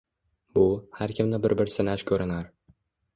Bu — har kimni bir-bir sinash ko‘rinar.